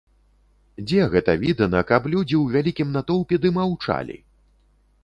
Дзе гэта відана, каб людзі ў вялікім натоўпе ды маўчалі?